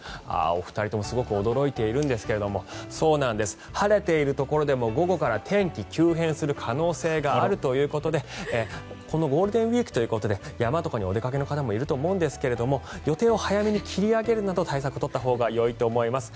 お二人ともすごく驚いているんですがそうなんです晴れているところでも午後から天気急変する可能性があるということでゴールデンウィークということで山とかにお出かけの方もいると思うんですが予定を早めに切り上げるなど対策を取ったほうがよいと思います。